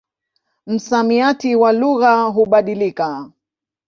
Msamiati wa lugha hubadilika.